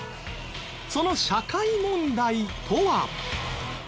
その社会問題とは。